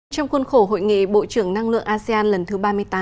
trong khuôn khổ hội nghị bộ trưởng năng lượng asean lần thứ ba mươi tám